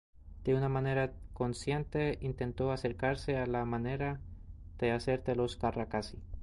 De una manera consciente intentó acercarse a la manera de hacer de los Carracci.